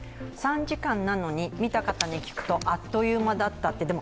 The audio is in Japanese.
３時間なのに、見た方に聞くとあっという間だったって。